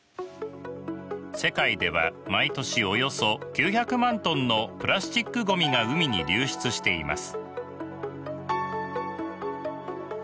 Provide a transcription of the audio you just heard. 世界では毎年およそ９００万ｔのプラスチックごみが海に流出しています。